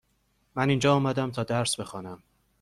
من اینجا آمدم تا درس بخوانم.